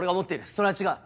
それは違う！